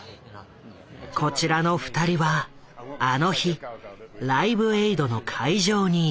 こちらの２人はあの日「ライブエイド」の会場にいた。